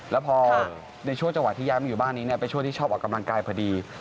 แล้วพอในช่วงจังหวะที่ย้ายมาอยู่บ้านนี้เป็นช่วงที่ชอบออกกำลังกายพอดี